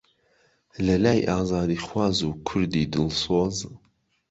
لەلای ئازادیخواز و کوردی دڵسۆز